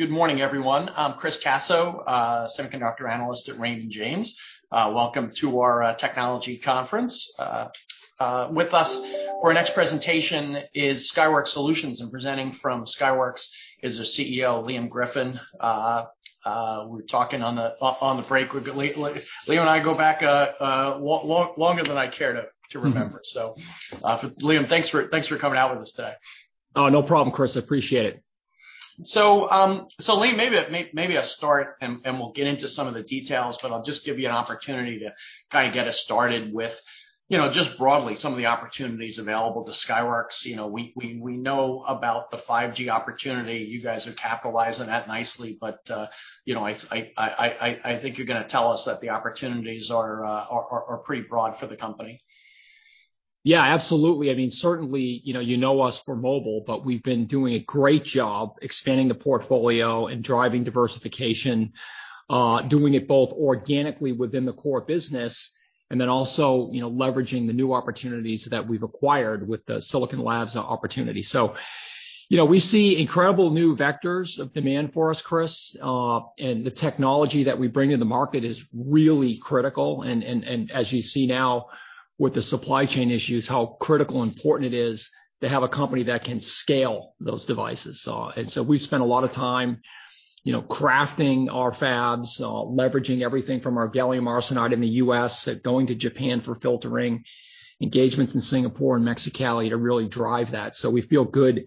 Good morning, everyone. I'm Chris Caso, Semiconductor Analyst at Raymond James. Welcome to our technology conference. With us for our next presentation is Skyworks Solutions. Presenting from Skyworks is their CEO, Liam Griffin. We were talking on the break. Liam and I go back longer than I care to remember. Mm-hmm. Liam, thanks for coming out with us today. Oh, no problem, Chris. I appreciate it. Liam, maybe I start and we'll get into some of the details, but I'll just give you an opportunity to kind of get us started with, you know, just broadly some of the opportunities available to Skyworks. You know, we know about the 5G opportunity. You guys are capitalizing that nicely, but you know, I think you're gonna tell us that the opportunities are pretty broad for the company. Yeah, absolutely. I mean, certainly, you know, you know us for mobile, but we've been doing a great job expanding the portfolio and driving diversification, doing it both organically within the core business and then also, you know, leveraging the new opportunities that we've acquired with the Silicon Labs opportunity. You know, we see incredible new vectors of demand for us, Chris, and the technology that we bring to the market is really critical and as you see now with the supply chain issues, how critical and important it is to have a company that can scale those devices. We've spent a lot of time, you know, crafting our fabs, leveraging everything from our gallium arsenide in the U.S., going to Japan for filtering, engagements in Singapore and Mexicali to really drive that. We feel good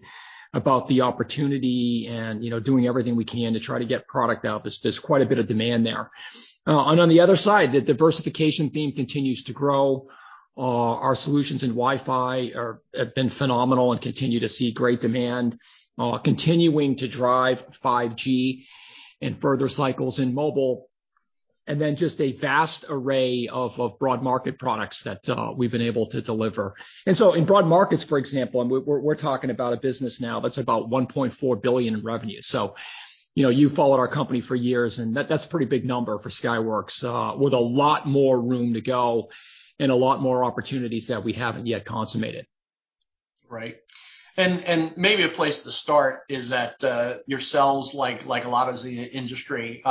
about the opportunity and, you know, doing everything we can to try to get product out. There's quite a bit of demand there. On the other side, the diversification theme continues to grow. Our solutions in Wi-Fi have been phenomenal and continue to see great demand. Continuing to drive 5G and further cycles in mobile, and then just a vast array of broad market products that we've been able to deliver. In broad markets, for example, and we're talking about a business now that's about $1.4 billion in revenue. You know, you've followed our company for years, and that's a pretty big number for Skyworks, with a lot more room to go and a lot more opportunities that we haven't yet consummated. Right. Maybe a place to start is that, yourselves, like a lot of the industry,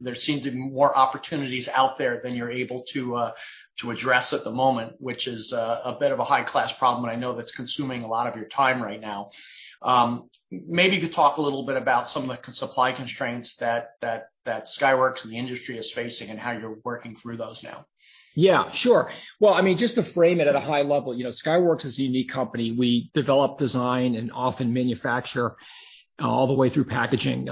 there seem to be more opportunities out there than you're able to address at the moment, which is a bit of a high class problem, but I know that's consuming a lot of your time right now. Maybe you could talk a little bit about some of the supply constraints that Skyworks and the industry is facing and how you're working through those now. Yeah, sure. Well, I mean, just to frame it at a high level, you know, Skyworks is a unique company. We develop, design, and often manufacture all the way through packaging in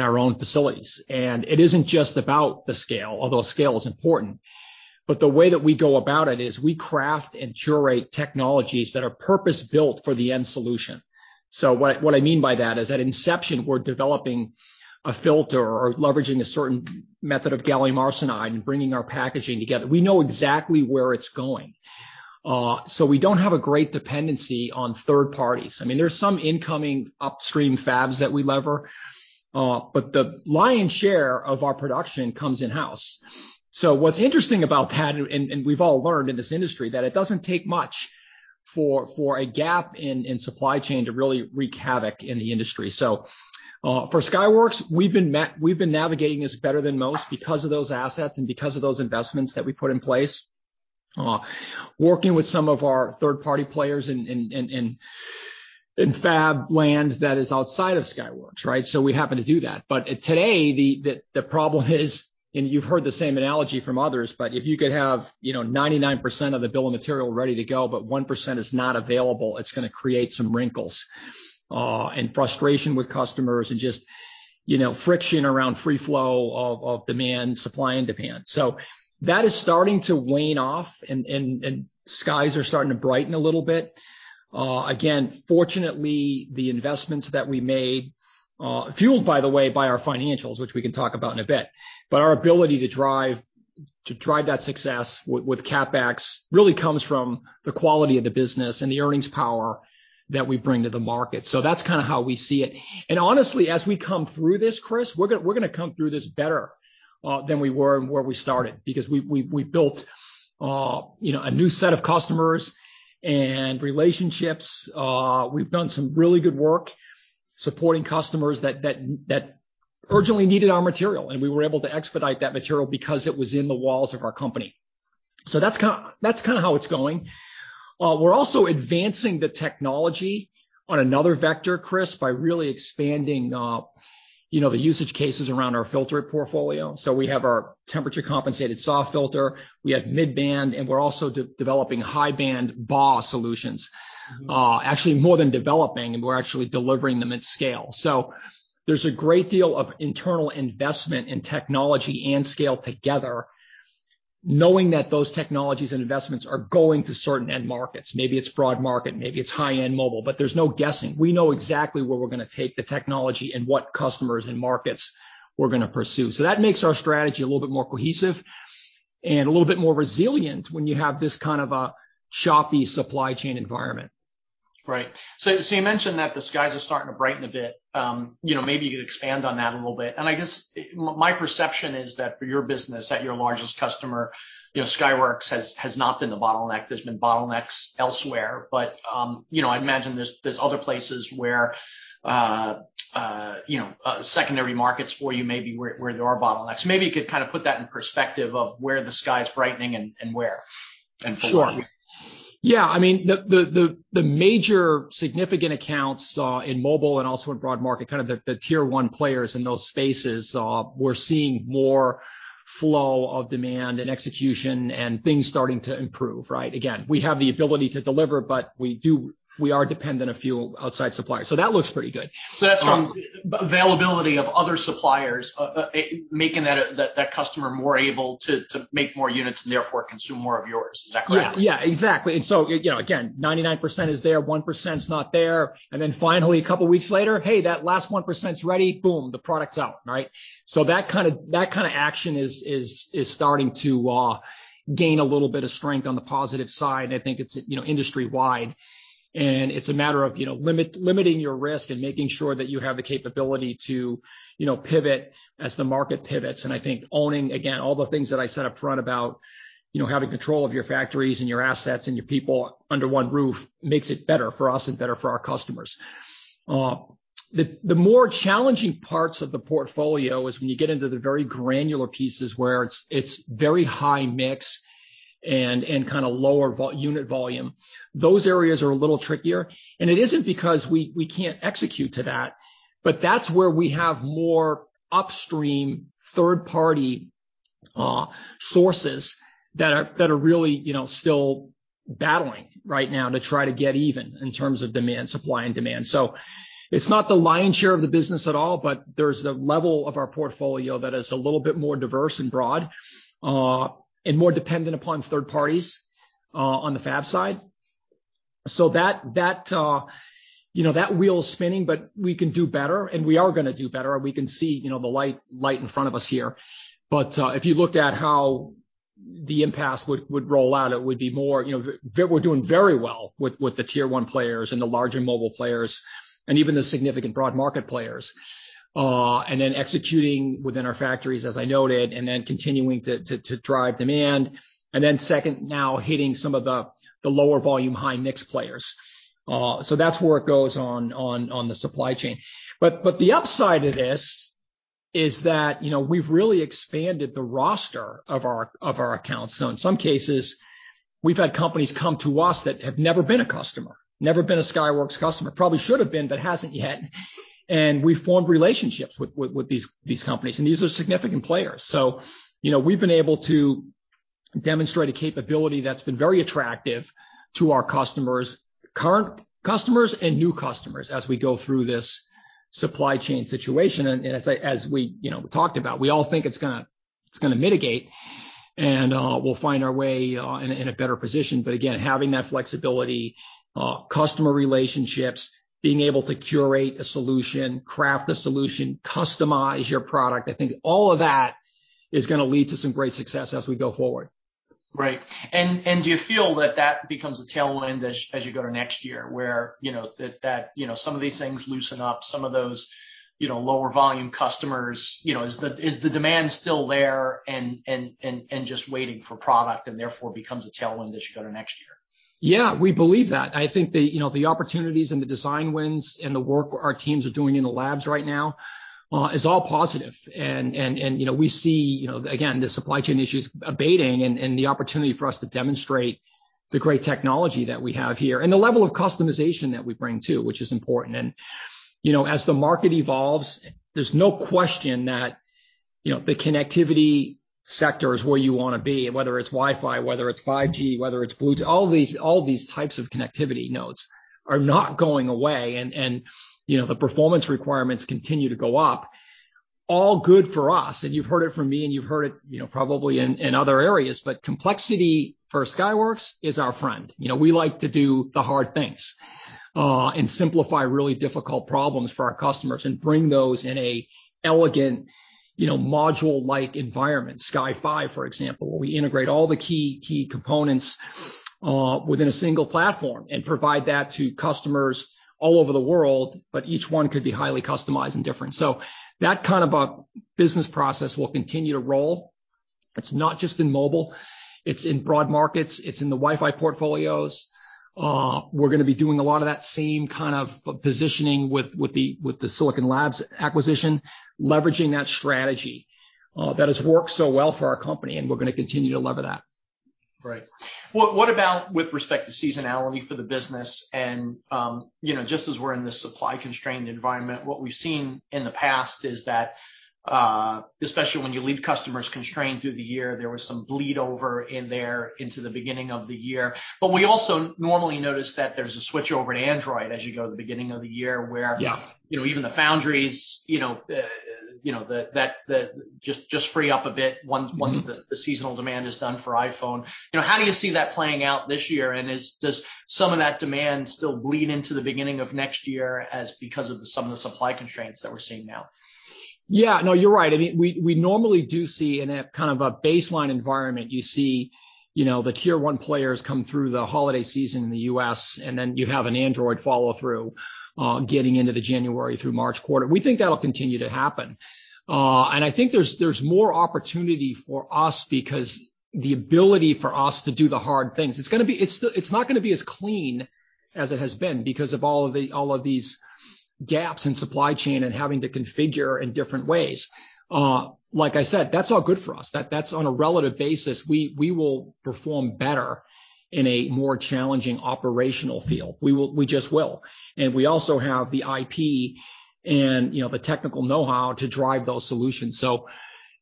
our own facilities. It isn't just about the scale, although scale is important. The way that we go about it is we craft and curate technologies that are purpose-built for the end solution. What I mean by that is at inception, we're developing a filter or leveraging a certain method of gallium arsenide and bringing our packaging together. We know exactly where it's going. We don't have a great dependency on third parties. I mean, there's some incoming upstream fabs that we lever, but the lion's share of our production comes in-house. What's interesting about that, and we've all learned in this industry that it doesn't take much for a gap in supply chain to really wreak havoc in the industry. For Skyworks, we've been navigating this better than most because of those assets and because of those investments that we put in place. Working with some of our third-party players in fab land that is outside of Skyworks, right? We happen to do that. Today, the problem is, and you've heard the same analogy from others, but if you could have, you know, 99% of the bill of material ready to go, but 1% is not available, it's gonna create some wrinkles, and frustration with customers and just, you know, friction around free flow of demand, supply and demand. That is starting to wane off and skies are starting to brighten a little bit. Again, fortunately, the investments that we made, fueled by the way, by our financials, which we can talk about in a bit, but our ability to drive that success with CapEx really comes from the quality of the business and the earnings power that we bring to the market. That's kinda how we see it. Honestly, as we come through this, Chris, we're gonna come through this better than we were and where we started, because we built you know a new set of customers and relationships. We've done some really good work supporting customers that urgently needed our material, and we were able to expedite that material because it was in the walls of our company. That's kind of how it's going. We're also advancing the technology on another vector, Chris, by really expanding, you know, the usage cases around our filtered portfolio. We have our temperature compensated SAW filter, we have mid-band, and we're also developing high band BAW solutions. Actually more than developing, and we're actually delivering them at scale. There's a great deal of internal investment in technology and scale together, knowing that those technologies and investments are going to certain end markets. Maybe it's broad market, maybe it's high-end mobile, but there's no guessing. We know exactly where we're gonna take the technology and what customers and markets we're gonna pursue. that makes our strategy a little bit more cohesive and a little bit more resilient when you have this kind of a choppy supply chain environment. Right. You mentioned that the skies are starting to brighten a bit. You know, maybe you could expand on that a little bit. I guess my perception is that for your business, at your largest customer, you know, Skyworks has not been the bottleneck. There's been bottlenecks elsewhere. You know, I imagine there's other places where secondary markets for you maybe where there are bottlenecks. Maybe you could kind of put that in perspective of where the sky is brightening and where and for what. Sure. Yeah, I mean, the major significant accounts in mobile and also in broad market, kind of the tier one players in those spaces, we're seeing more flow of demand and execution and things starting to improve, right? Again, we have the ability to deliver, but we are dependent on a few outside suppliers. That looks pretty good. That's from availability of other suppliers, making that customer more able to make more units and therefore consume more of yours. Is that correct? Yeah. Yeah, exactly. You know, again, 99% is there, 1% is not there. Then finally, a couple weeks later, hey, that last 1% is ready, boom, the product's out, right? That kind of action is starting to gain a little bit of strength on the positive side. I think it's, you know, industry wide, and it's a matter of, you know, limiting your risk and making sure that you have the capability to, you know, pivot as the market pivots. I think owning, again, all the things that I said upfront about, you know, having control of your factories and your assets and your people under one roof makes it better for us and better for our customers. The more challenging parts of the portfolio is when you get into the very granular pieces where it's very high mix and kind of lower unit volume. Those areas are a little trickier. It isn't because we can't execute to that, but that's where we have more upstream third-party sources that are really, you know, still battling right now to try to get even in terms of demand, supply and demand. It's not the lion's share of the business at all, but there's the level of our portfolio that is a little bit more diverse and broad and more dependent upon third parties on the fab side. That wheel's spinning, but we can do better, and we are gonna do better. We can see, you know, the light in front of us here. If you looked at how the impact would roll out, it would be more, you know. We're doing very well with the tier one players and the larger mobile players and even the significant broad market players. Then executing within our factories, as I noted, and then continuing to drive demand. Then second, now hitting some of the lower volume, high mix players. That's where it goes on the supply chain. The upside of this is that, you know, we've really expanded the roster of our accounts. In some cases, we've had companies come to us that have never been a customer, never been a Skyworks customer. Probably should have been, but hasn't yet. We formed relationships with these companies, and these are significant players. So, you know, we've been able to demonstrate a capability that's been very attractive to our customers, current customers and new customers, as we go through this supply chain situation. As we, you know, talked about, we all think it's gonna mitigate and we'll find our way in a better position. But again, having that flexibility, customer relationships, being able to curate a solution, craft the solution, customize your product, I think all of that is gonna lead to some great success as we go forward. Right. Do you feel that becomes a tailwind as you go to next year? Where, you know, that you know, some of these things loosen up, some of those, you know, lower volume customers, you know, is the demand still there and just waiting for product and therefore becomes a tailwind as you go to next year? Yeah, we believe that. I think, you know, the opportunities and the design wins and the work our teams are doing in the labs right now is all positive. You know, we see, you know, again, the supply chain issues abating and the opportunity for us to demonstrate the great technology that we have here and the level of customization that we bring too, which is important. You know, as the market evolves, there's no question that, you know, the connectivity sector is where you wanna be, and whether it's Wi-Fi, whether it's 5G, whether it's Bluetooth, all these types of connectivity nodes are not going away. You know, the performance requirements continue to go up. All good for us. You've heard it from me, and you've heard it, you know, probably in other areas, but complexity for Skyworks is our friend. You know, we like to do the hard things and simplify really difficult problems for our customers and bring those in a elegant, you know, module-like environment. Sky5, for example, where we integrate all the key components within a single platform and provide that to customers all over the world, but each one could be highly customized and different. That kind of a business process will continue to roll. It's not just in mobile, it's in broad markets, it's in the Wi-Fi portfolios. We're gonna be doing a lot of that same kind of positioning with the Silicon Labs acquisition, leveraging that strategy that has worked so well for our company, and we're gonna continue to lever that. Right. What about with respect to seasonality for the business and, you know, just as we're in this supply-constrained environment, what we've seen in the past is that, especially when you leave customers constrained through the year, there was some bleed over in there into the beginning of the year. We also normally notice that there's a switch over to Android as you go to the beginning of the year where- Yeah... you know, even the foundries, you know, that just free up a bit once the seasonal demand is done for iPhone. You know, how do you see that playing out this year? Does some of that demand still bleed into the beginning of next year as because of some of the supply constraints that we're seeing now? Yeah. No, you're right. I mean, we normally do see in a kind of a baseline environment, you see, you know, the tier one players come through the holiday season in the U.S., and then you have an Android follow-through, getting into the January through March quarter. We think that'll continue to happen. I think there's more opportunity for us because the ability for us to do the hard things. It's not gonna be as clean as it has been because of all of these gaps in supply chain and having to configure in different ways. Like I said, that's all good for us. That's on a relative basis, we will perform better in a more challenging operational field. We will. We just will. We also have the IP and, you know, the technical know-how to drive those solutions.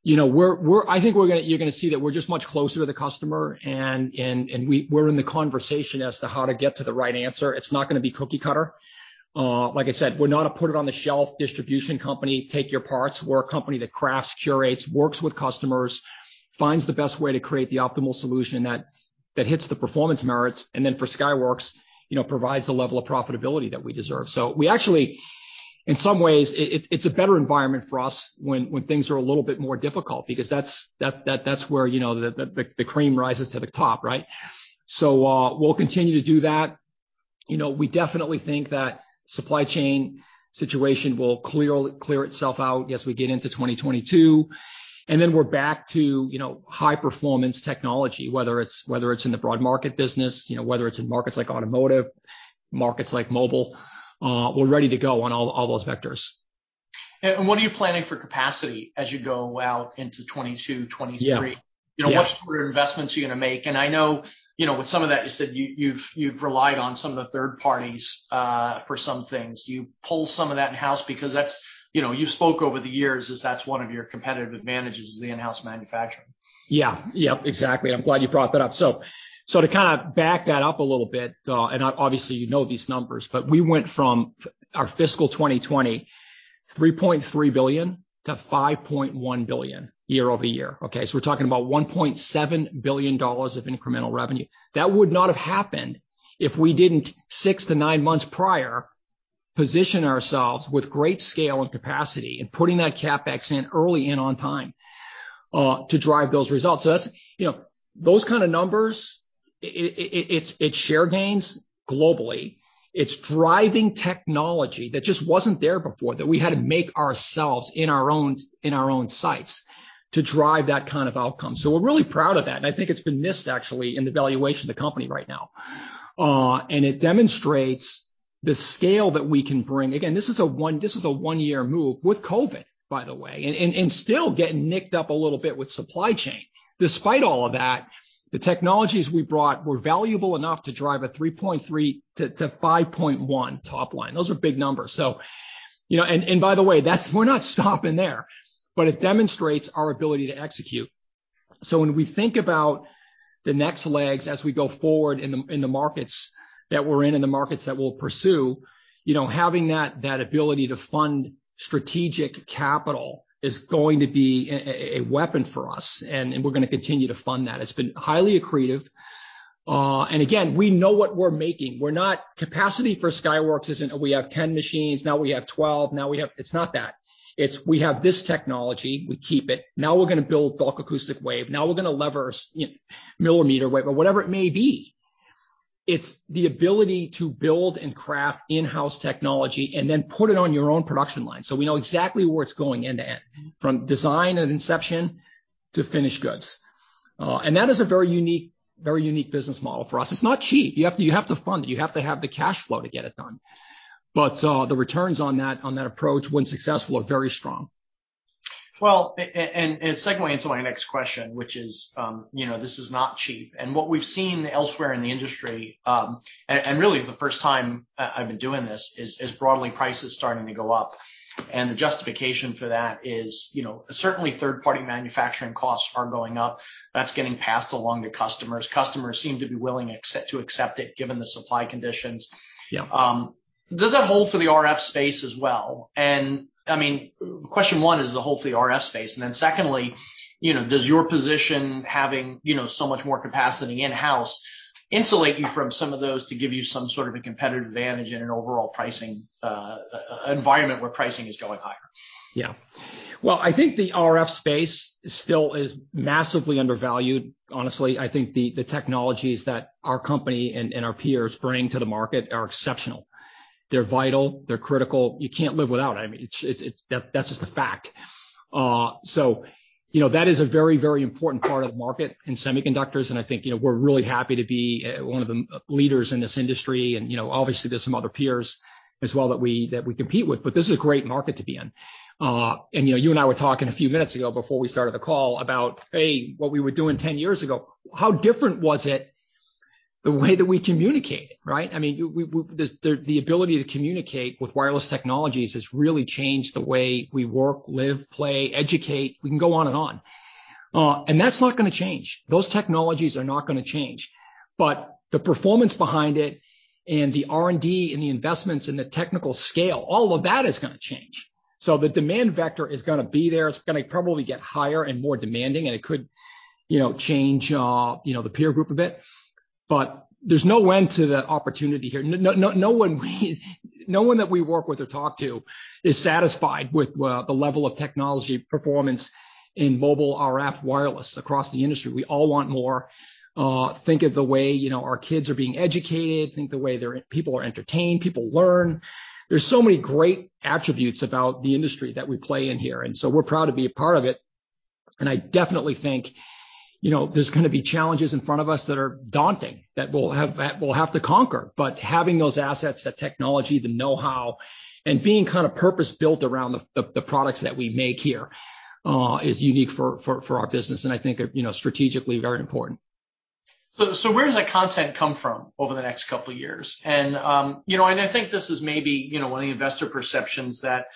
You know, we're I think you're gonna see that we're just much closer to the customer and we we're in the conversation as to how to get to the right answer. It's not gonna be cookie cutter. Like I said, we're not a put it on the shelf distribution company, take your parts. We're a company that crafts, curates, works with customers, finds the best way to create the optimal solution that hits the performance merits, and then for Skyworks, you know, provides the level of profitability that we deserve. We actually, in some ways, it's a better environment for us when things are a little bit more difficult because that's where, you know, the cream rises to the top, right? We'll continue to do that. You know, we definitely think that supply chain situation will clear itself out as we get into 2022, and then we're back to, you know, high performance technology, whether it's in the broad market business, you know, whether it's in markets like automotive, markets like mobile, we're ready to go on all those vectors. What are you planning for capacity as you go out into 2022, 2023? Yeah. Yeah. You know, what sort of investments are you gonna make? I know, you know, with some of that, you said you've relied on some of the third parties for some things. Do you pull some of that in-house? Because that's, you know, you spoke over the years as that's one of your competitive advantages is the in-house manufacturing. Yeah. Yep, exactly. I'm glad you brought that up. To kinda back that up a little bit, and obviously you know these numbers, but we went from our fiscal 2020 $3.3 billion to $5.1 billion year-over-year. Okay? We're talking about $1.7 billion of incremental revenue. That would not have happened if we didn't six-nine months prior position ourselves with great scale and capacity and putting that CapEx in early and on time, to drive those results. That's, you know, those kind of numbers, it's share gains globally. It's driving technology that just wasn't there before, that we had to make ourselves in our own sites to drive that kind of outcome. We're really proud of that, and I think it's been missed actually in the valuation of the company right now. It demonstrates the scale that we can bring. Again, this is a one-year move with COVID, by the way, and still getting nicked up a little bit with supply chain. Despite all of that, the technologies we brought were valuable enough to drive a 3.3%-5.1% top line. Those are big numbers. You know, by the way, that's. We're not stopping there, but it demonstrates our ability to execute. When we think about the next legs as we go forward in the markets that we're in and the markets that we'll pursue, you know, having that ability to fund strategic capital is going to be a weapon for us, and we're gonna continue to fund that. It's been highly accretive. Again, we know what we're making. Capacity for Skyworks isn't we have 10 machines, now we have 12. It's not that. It's we have this technology, we keep it. Now we're gonna build bulk acoustic wave. Now we're gonna leverage, you know, millimeter wave or whatever it may be. It's the ability to build and craft in-house technology and then put it on your own production line. We know exactly where it's going end to end, from design and inception to finished goods. That is a very unique business model for us. It's not cheap. You have to fund it. You have to have the cash flow to get it done. The returns on that approach when successful are very strong. Segue into my next question, which is, you know, this is not cheap. What we've seen elsewhere in the industry, and really the first time I've been doing this is broadly prices starting to go up. The justification for that is, you know, certainly third-party manufacturing costs are going up. That's getting passed along to customers. Customers seem to be willing to accept it given the supply conditions. Yeah. Does that hold for the RF space as well? I mean, question one is the hold for the RF space. Then secondly, you know, does your position having, you know, so much more capacity in-house insulate you from some of those to give you some sort of a competitive advantage in an overall pricing environment where pricing is going higher? Yeah. Well, I think the RF space still is massively undervalued, honestly. I think the technologies that our company and our peers bring to the market are exceptional. They're vital. They're critical. You can't live without them. I mean, that's just a fact. You know, that is a very important part of the market in semiconductors, and I think, you know, we're really happy to be one of the leaders in this industry. You know, obviously, there's some other peers as well that we compete with, but this is a great market to be in. You know, you and I were talking a few minutes ago before we started the call about what we were doing 10 years ago. How different was it the way that we communicated, right? I mean, the ability to communicate with wireless technologies has really changed the way we work, live, play, educate. We can go on and on. That's not gonna change. Those technologies are not gonna change. The performance behind it and the R&D and the investments and the technical scale, all of that is gonna change. The demand vector is gonna be there. It's gonna probably get higher and more demanding, and it could, you know, change the peer group a bit. There's no end to the opportunity here. No one that we work with or talk to is satisfied with the level of technology performance in mobile RF wireless across the industry. We all want more, think of the way, you know, our kids are being educated, people are entertained, people learn. There's so many great attributes about the industry that we play in here, and so we're proud to be a part of it. I definitely think, you know, there's gonna be challenges in front of us that are daunting, that we'll have to conquer. Having those assets, the technology, the know-how, and being kind of purpose-built around the products that we make here, is unique for our business and I think, you know, strategically very important. Where does that content come from over the next couple of years? I think this is maybe, you know, one of the investor perceptions that,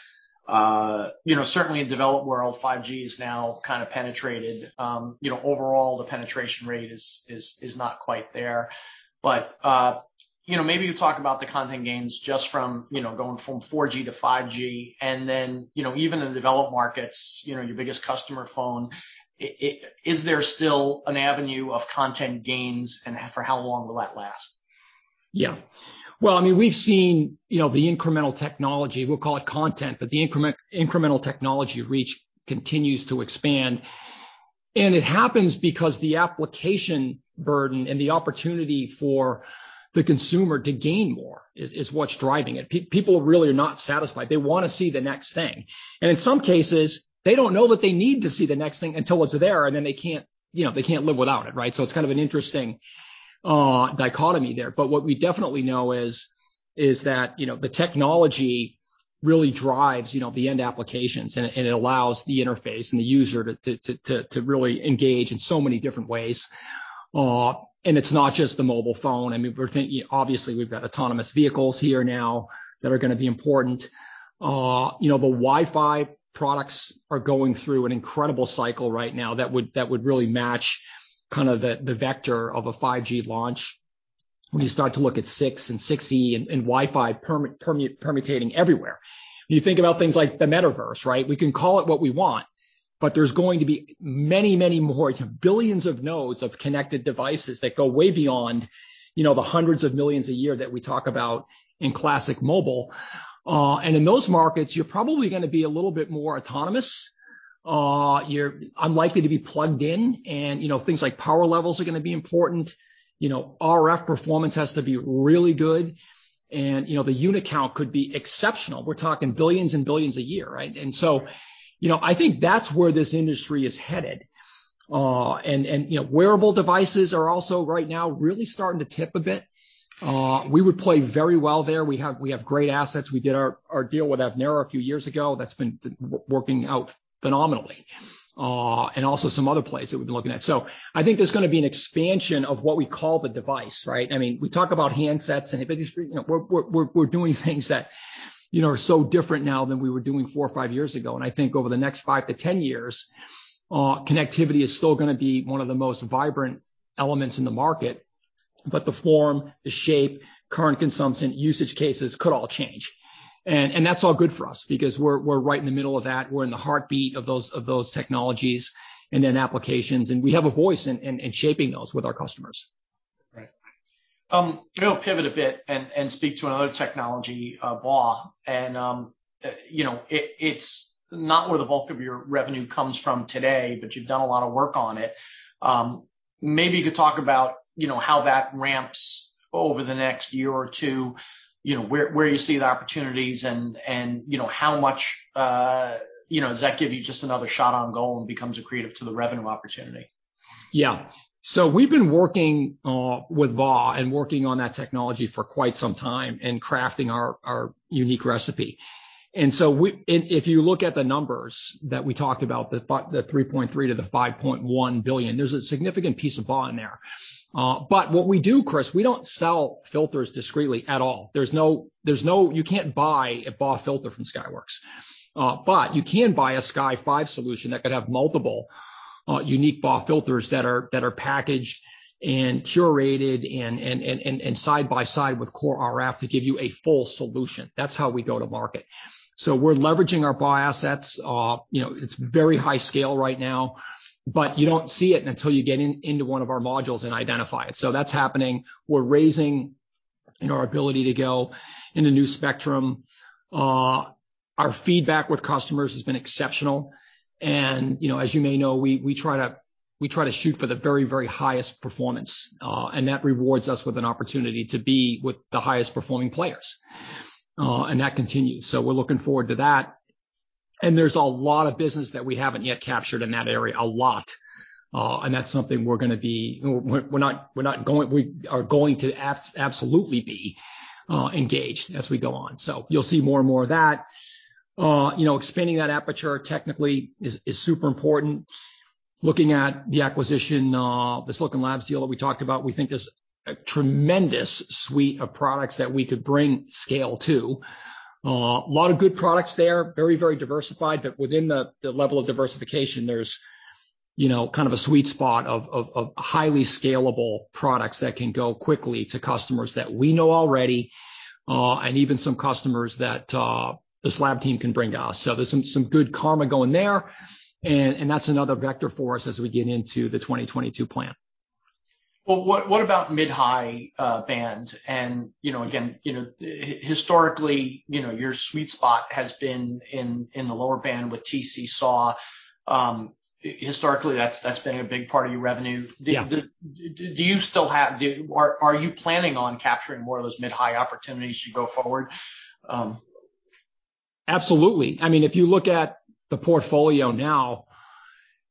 you know, certainly in the developed world, 5G is now kind of penetrated. You know, overall the penetration rate is not quite there. You know, maybe you talk about the content gains just from, you know, going from 4G to 5G and then, you know, even in the developed markets, you know, your biggest customer phone, iPhone, is there still an avenue of content gains and for how long will that last? Yeah. Well, I mean, we've seen, you know, the incremental technology, we'll call it content, but the incremental technology reach continues to expand. It happens because the application burden and the opportunity for the consumer to gain more is what's driving it. People really are not satisfied. They wanna see the next thing. In some cases, they don't know that they need to see the next thing until it's there, and then they can't, you know, live without it, right? It's kind of an interesting dichotomy there. What we definitely know is that, you know, the technology really drives, you know, the end applications, and it allows the interface and the user to really engage in so many different ways. It's not just the mobile phone. I mean, we're thinking obviously, we've got autonomous vehicles here now that are gonna be important. You know, the Wi-Fi products are going through an incredible cycle right now that would really match kind of the vector of a 5G launch when you start to look at 6 and 6E and Wi-Fi permeating everywhere. You think about things like the Metaverse, right? We can call it what we want, but there's going to be many, many more billions of nodes of connected devices that go way beyond, you know, the hundreds of millions a year that we talk about in classic mobile. In those markets, you're probably gonna be a little bit more autonomous. You're unlikely to be plugged in and, you know, things like power levels are gonna be important. You know, RF performance has to be really good. You know, the unit count could be exceptional. We're talking billions and billions a year, right? You know, I think that's where this industry is headed. You know, wearable devices are also right now really starting to tip a bit. We would play very well there. We have great assets. We did our deal with Avnera a few years ago that's been working out phenomenally. Also some other places that we've been looking at. I think there's gonna be an expansion of what we call the device, right? I mean, we talk about handsets and if it's, you know, we're doing things that, you know, are so different now than we were doing four or five years ago. I think over the next five-ten years, connectivity is still gonna be one of the most vibrant elements in the market, but the form, the shape, current consumption, usage cases could all change. That's all good for us because we're right in the middle of that. We're in the heartbeat of those technologies and then applications, and we have a voice in shaping those with our customers. Right. I'm gonna pivot a bit and speak to another technology, BAW. You know, it's not where the bulk of your revenue comes from today, but you've done a lot of work on it. Maybe you could talk about, you know, how that ramps over the next year or two, you know, where you see the opportunities and, you know, how much, you know, does that give you just another shot on goal and becomes accretive to the revenue opportunity? Yeah. We've been working with BAW and working on that technology for quite some time and crafting our unique recipe. If you look at the numbers that we talked about, the $3.3 billion-$5.1 billion, there's a significant piece of BAW in there. What we do, Chris, we don't sell filters discreetly at all. You can't buy a BAW filter from Skyworks. You can buy a Sky5 solution that could have multiple unique BAW filters that are packaged and curated and side by side with core RF to give you a full solution. That's how we go to market. We're leveraging our BAW assets. You know, it's very high scale right now, but you don't see it until you get into one of our modules and identify it. That's happening. We're raising, you know, our ability to go in a new spectrum. Our feedback with customers has been exceptional. You know, as you may know, we try to shoot for the very, very highest performance, and that rewards us with an opportunity to be with the highest performing players. That continues. We're looking forward to that. There's a lot of business that we haven't yet captured in that area, a lot. That's something we are going to absolutely be engaged as we go on. You'll see more and more of that. You know, expanding that aperture technically is super important. Looking at the acquisition, the Silicon Labs deal that we talked about, we think there's a tremendous suite of products that we could bring scale to. A lot of good products there, very diversified, but within the level of diversification, there's you know, kind of a sweet spot of highly scalable products that can go quickly to customers that we know already. Even some customers that the SLAB team can bring to us. There's some good karma going there and that's another vector for us as we get into the 2022 plan. Well, what about mid-high band? You know, again, you know, historically, you know, your sweet spot has been in the lower band with TC SAW. Historically, that's been a big part of your revenue. Yeah. Are you planning on capturing more of those mid-high opportunities as you go forward? Absolutely. I mean, if you look at the portfolio now,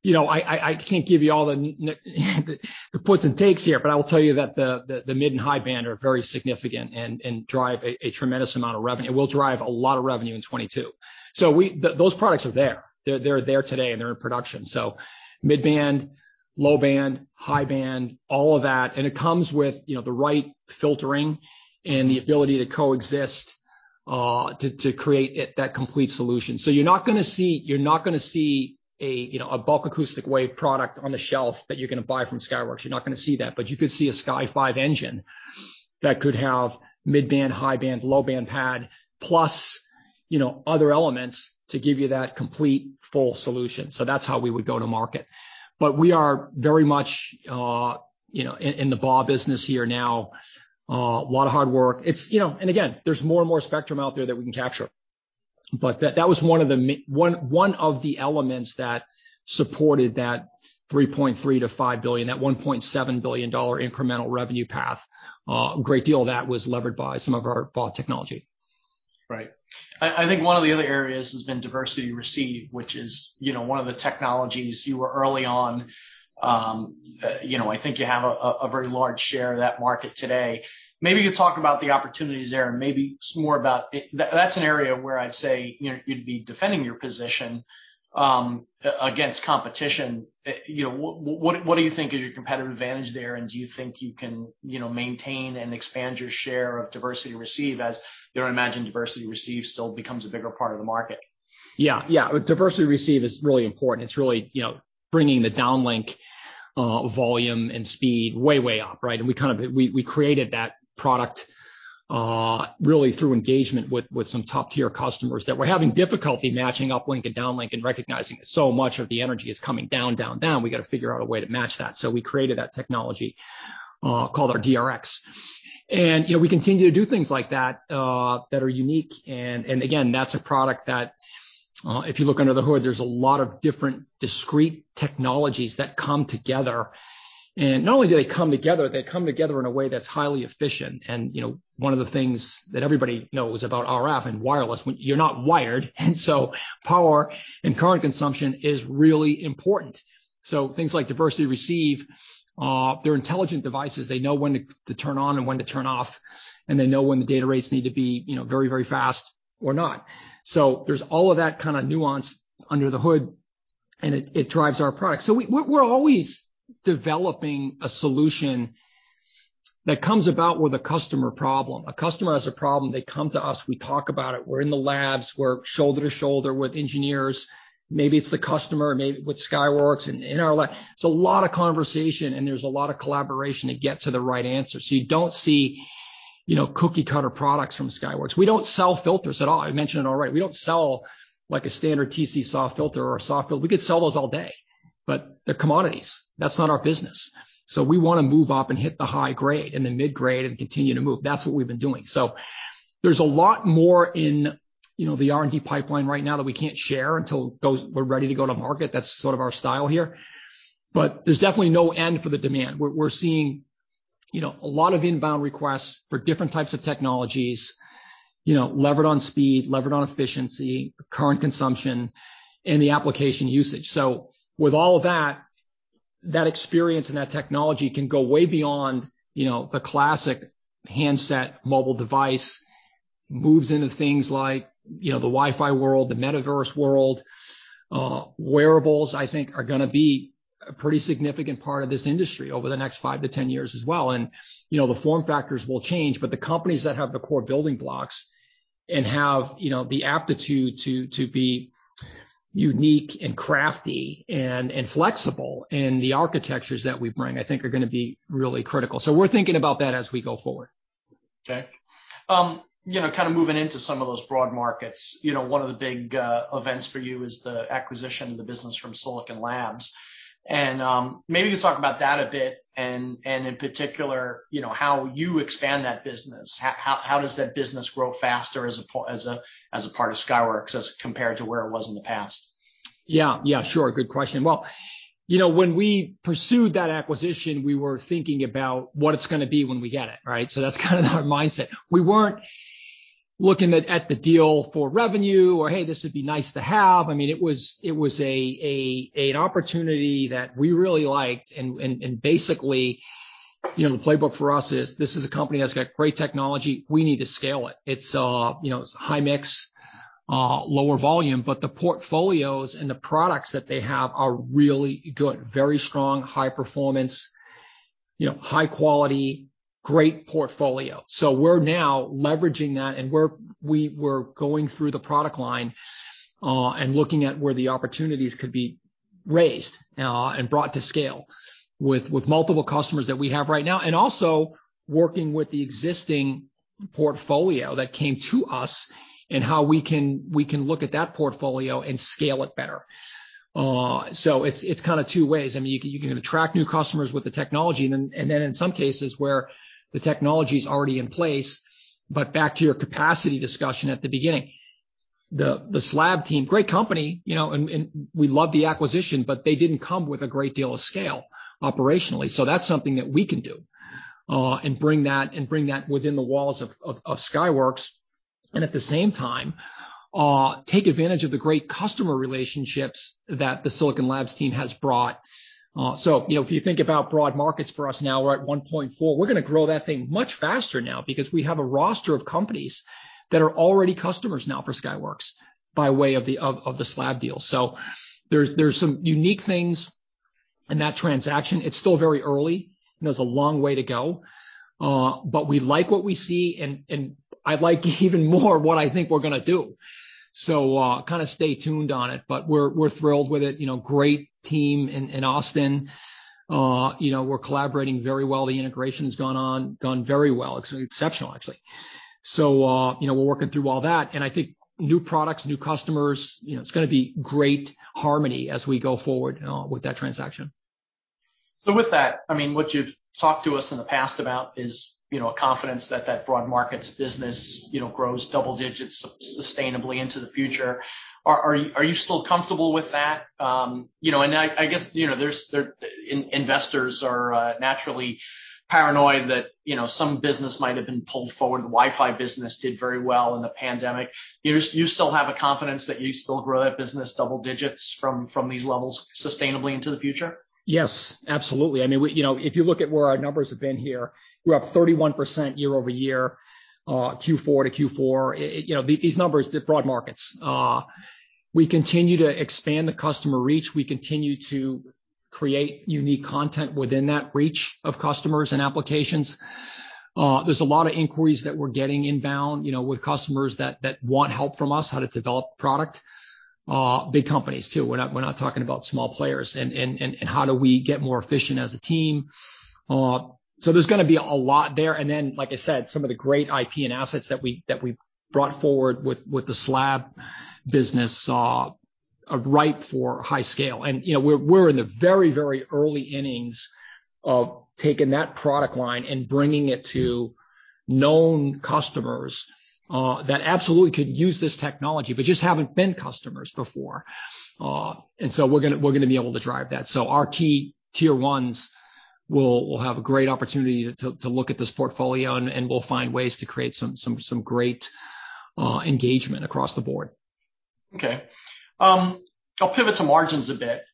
you know, I can't give you all the puts and takes here, but I will tell you that the mid and high band are very significant and drive a tremendous amount of revenue. They will drive a lot of revenue in 2022. Those products are there. They're there today, and they're in production. Mid-band, low-band, high band, all of that, and it comes with, you know, the right filtering and the ability to coexist, to create that complete solution. You're not gonna see, you're not gonna see a, you know, a bulk acoustic wave product on the shelf that you're gonna buy from Skyworks. You're not gonna see that. You could see a Sky5 engine that could have mid-band, high-band, low-band PAMiD, plus, you know, other elements to give you that complete full solution. That's how we would go to market. We are very much, you know, in the BAW business here now. A lot of hard work. It's, you know. Again, there's more and more spectrum out there that we can capture, but that was one of the elements that supported that $3.3 billion-$5 billion, that $1.7 billion incremental revenue path. A great deal that was levered by some of our BAW technology. Right. I think one of the other areas has been diversity receive, which is, you know, one of the technologies you were early on. You know, I think you have a very large share of that market today. Maybe you talk about the opportunities there and maybe some more about. That's an area where I'd say, you know, you'd be defending your position against competition. You know, what do you think is your competitive advantage there, and do you think you can, you know, maintain and expand your share of diversity receive as, you know, I imagine diversity receive still becomes a bigger part of the market? Yeah. Yeah. Diversity receive is really important. It's really, you know, bringing the downlink volume and speed way up, right? We created that product really through engagement with some top-tier customers that were having difficulty matching uplink and downlink and recognizing that so much of the energy is coming down. We gotta figure out a way to match that. We created that technology called our DRx. You know, we continue to do things like that that are unique. Again, that's a product that if you look under the hood, there's a lot of different discrete technologies that come together. Not only do they come together, they come together in a way that's highly efficient. You know, one of the things that everybody knows about RF and wireless, when you're not wired, and so power and current consumption is really important. So things like diversity receive, they're intelligent devices. They know when to turn on and when to turn off, and they know when the data rates need to be, you know, very, very fast or not. So there's all of that kind of nuance under the hood, and it drives our product. We're always developing a solution that comes about with a customer problem. A customer has a problem, they come to us, we talk about it. We're in the labs. We're shoulder to shoulder with engineers. Maybe it's the customer, maybe with Skyworks. In our lab, it's a lot of conversation, and there's a lot of collaboration to get to the right answer. You don't see, you know, cookie-cutter products from Skyworks. We don't sell filters at all. I mentioned it already. We don't sell like a standard TC SAW filter or a SAW filter. We could sell those all day, but they're commodities. That's not our business. We wanna move up and hit the high grade and the mid-grade and continue to move. That's what we've been doing. There's a lot more in, you know, the R&D pipeline right now that we can't share until those, we're ready to go to market. That's sort of our style here. There's definitely no end for the demand. We're seeing, you know, a lot of inbound requests for different types of technologies, you know, levered on speed, levered on efficiency, current consumption, and the application usage. With all of that experience and that technology can go way beyond, you know, the classic handset mobile device. It moves into things like, you know, the Wi-Fi world, the Metaverse world. Wearables, I think are gonna be a pretty significant part of this industry over the next five-10 years as well. You know, the form factors will change, but the companies that have the core building blocks and have, you know, the aptitude to be unique and crafty and flexible in the architectures that we bring, I think are gonna be really critical. We're thinking about that as we go forward. Okay. You know, kind of moving into some of those broad markets. You know, one of the big events for you is the acquisition of the business from Silicon Labs. Maybe you could talk about that a bit and in particular, you know, how you expand that business. How does that business grow faster as a part of Skyworks as compared to where it was in the past? Yeah. Yeah, sure. Good question. Well, you know, when we pursued that acquisition, we were thinking about what it's gonna be when we get it, right? That's kind of our mindset. We weren't looking at the deal for revenue or, "Hey, this would be nice to have." I mean, it was a opportunity that we really liked and basically, you know, the playbook for us is this is a company that's got great technology. We need to scale it. It's, you know, it's high mix, lower volume, but the portfolios and the products that they have are really good. Very strong, high performance, you know, high quality, great portfolio. We're now leveraging that, and we're going through the product line, and looking at where the opportunities could be raised, and brought to scale with multiple customers that we have right now, and also working with the existing portfolio that came to us and how we can look at that portfolio and scale it better. It's kind of two ways. I mean, you can attract new customers with the technology and then in some cases where the technology is already in place. Back to your capacity discussion at the beginning, the SLAB team, great company, you know, and we love the acquisition, but they didn't come with a great deal of scale operationally. That's something that we can do, and bring that within the walls of Skyworks. At the same time, take advantage of the great customer relationships that the Silicon Labs team has brought. So, you know, if you think about broad markets for us now, we're at 1.4. We're gonna grow that thing much faster now because we have a roster of companies that are already customers now for Skyworks by way of the SLAB deal. So there's some unique things in that transaction. It's still very early, and there's a long way to go, but we like what we see and I like even more what I think we're gonna do. So, kind of stay tuned on it. But we're thrilled with it. You know, great team in Austin. You know, we're collaborating very well. The integration has gone very well. It's exceptional actually. You know, we're working through all that, and I think new products, new customers, you know, it's gonna be great harmony as we go forward with that transaction. With that, I mean, what you've talked to us in the past about is, you know, confidence that the broad markets business, you know, grows double digits sustainably into the future. Are you still comfortable with that? You know, I guess investors are naturally paranoid that, you know, some business might have been pulled forward. The Wi-Fi business did very well in the pandemic. You still have a confidence that you still grow that business double digits from these levels sustainably into the future? Yes, absolutely. I mean, you know, if you look at where our numbers have been here, we're up 31% year-over-year, Q4 to Q4. You know, these numbers, the broad markets. We continue to expand the customer reach. We continue to create unique content within that reach of customers and applications. There's a lot of inquiries that we're getting inbound, you know, with customers that want help from us how to develop product. Big companies too. We're not talking about small players. How do we get more efficient as a team? There's gonna be a lot there. Like I said, some of the great IP and assets that we brought forward with the SLAB business are ripe for high scale. You know, we're in the very early innings of taking that product line and bringing it to known customers that absolutely could use this technology but just haven't been customers before. We're gonna be able to drive that. Our key tier ones will have a great opportunity to look at this portfolio, and we'll find ways to create some great engagement across the board. Okay. I'll pivot to margins a bit.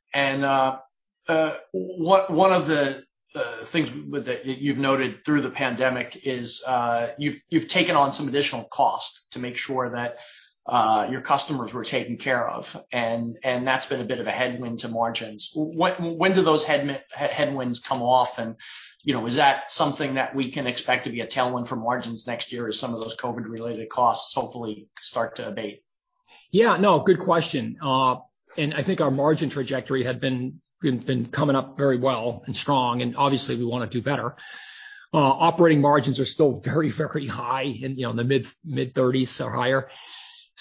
One of the things that you've noted through the pandemic is you've taken on some additional cost to make sure that your customers were taken care of, and that's been a bit of a headwind to margins. When do those headwinds come off? You know, is that something that we can expect to be a tailwind for margins next year as some of those COVID related costs hopefully start to abate? No, good question. I think our margin trajectory had been coming up very well and strong, and obviously we want to do better. Operating margins are still very high in you know the mid-30s% or higher.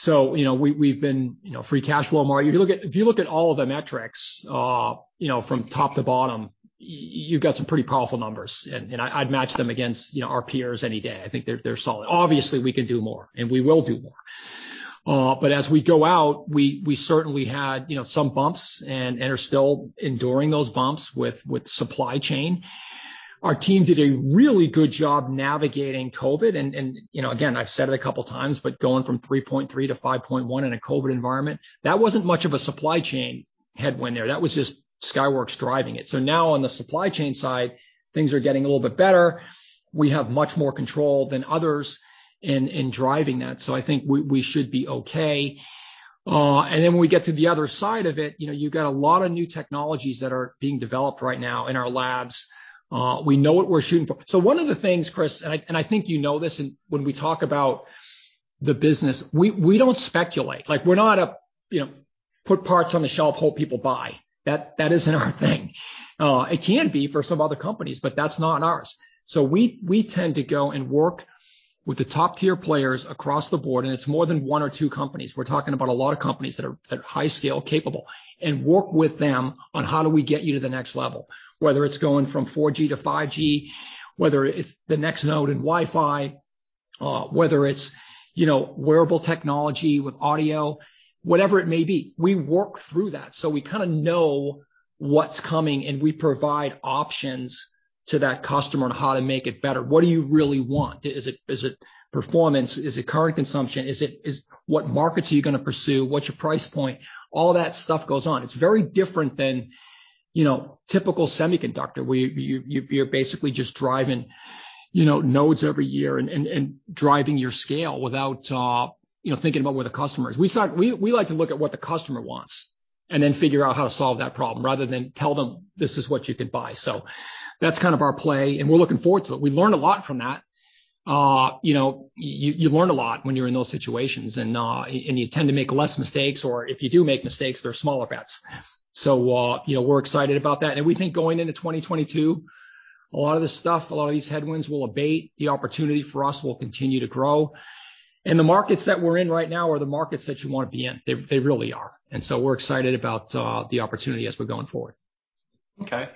You know, we've been you know free cash flow margin. If you look at all of the metrics, you know, from top to bottom, you've got some pretty powerful numbers, and I'd match them against you know our peers any day. I think they're solid. Obviously, we can do more and we will do more. As we go out, we certainly had you know some bumps and are still enduring those bumps with supply chain. Our team did a really good job navigating COVID. You know, again, I've said it a couple of times, but going from $3.3 to $5.1 in a COVID environment, that wasn't much of a supply chain headwind there. That was just Skyworks driving it. Now on the supply chain side, things are getting a little bit better. We have much more control than others in driving that. I think we should be okay. When we get to the other side of it, you know, you've got a lot of new technologies that are being developed right now in our labs. We know what we're shooting for. One of the things, Chris, and I think you know this, and when we talk about the business, we don't speculate. Like, we're not, you know, put parts on the shelf, hope people buy. That isn't our thing. It can be for some other companies, but that's not ours. We tend to go and work with the top-tier players across the board, and it's more than one or two companies. We're talking about a lot of companies that are high scale capable, and work with them on how do we get you to the next level, whether it's going from 4G to 5G, whether it's the next node in Wi-Fi, whether it's, you know, wearable technology with audio, whatever it may be, we work through that. We kinda know what's coming, and we provide options to that customer on how to make it better. What do you really want? Is it performance? Is it current consumption? What markets are you gonna pursue? What's your price point? All of that stuff goes on. It's very different than, you know, typical semiconductor, where you're basically just driving, you know, nodes every year and driving your scale without, you know, thinking about where the customer is. We like to look at what the customer wants and then figure out how to solve that problem rather than tell them, "This is what you can buy." That's kind of our play, and we're looking forward to it. We learn a lot from that. You know, you learn a lot when you're in those situations, and you tend to make less mistakes or if you do make mistakes, they're smaller bets. Yeah. You know, we're excited about that. We think going into 2022, a lot of this stuff, a lot of these headwinds will abate. The opportunity for us will continue to grow. The markets that we're in right now are the markets that you wanna be in. They really are. We're excited about the opportunity as we're going forward. Okay,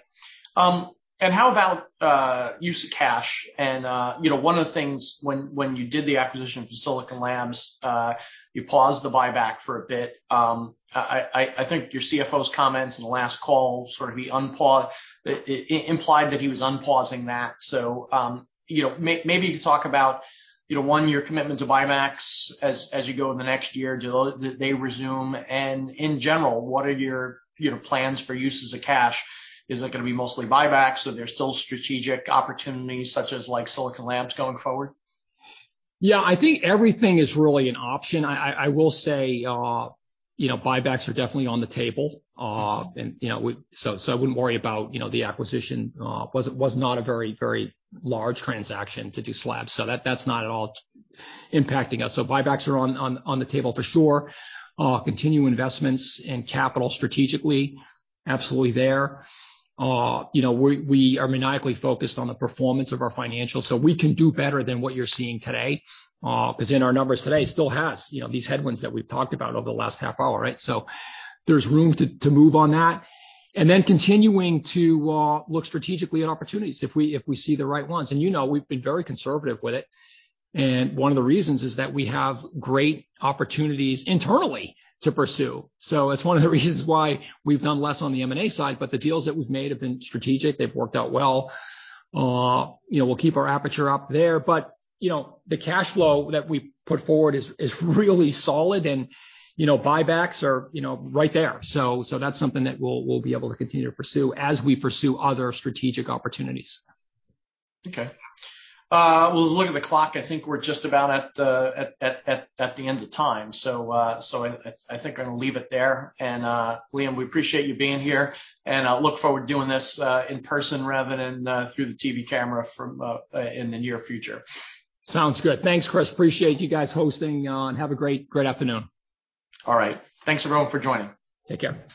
how about use of cash? You know, one of the things when you did the acquisition for Silicon Labs, you paused the buyback for a bit. I think your CFO's comments in the last call sort of implied that he was unpausing that. You know, maybe you could talk about one year commitment to buybacks as you go in the next year. Do they resume? In general, what are your plans for uses of cash? Is it gonna be mostly buybacks? Are there still strategic opportunities such as like Silicon Labs going forward? Yeah. I think everything is really an option. I will say, you know, buybacks are definitely on the table. I wouldn't worry about, you know, the acquisition was not a very large transaction to do SLAB's. So that's not at all impacting us. So buybacks are on the table for sure. Continue investments and CapEx strategically, absolutely there. You know, we are maniacally focused on the performance of our financials, so we can do better than what you're seeing today, 'cause in our numbers today still has, you know, these headwinds that we've talked about over the last half hour, right? So there's room to move on that. Then continuing to look strategically at opportunities if we see the right ones. You know, we've been very conservative with it. One of the reasons is that we have great opportunities internally to pursue. It's one of the reasons why we've done less on the M&A side, but the deals that we've made have been strategic. They've worked out well. You know, we'll keep our aperture up there. You know, the cash flow that we put forward is really solid, and, you know, buybacks are, you know, right there. So that's something that we'll be able to continue to pursue as we pursue other strategic opportunities. Okay. Well, looking at the clock, I think we're just about at the end of time. I think I'm gonna leave it there. Liam, we appreciate you being here, and I look forward to doing this in person rather than through the TV camera from in the near future. Sounds good. Thanks, Chris. Appreciate you guys hosting. Have a great afternoon. All right. Thanks everyone for joining. Take care.